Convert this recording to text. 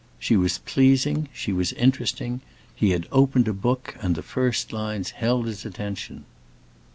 She was pleasing, she was interesting; he had opened a book and the first lines held his attention.